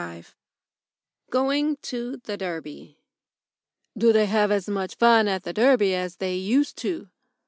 XXV GOING TO THE DERBY "Do they have as much fun at the Derby as they used to?"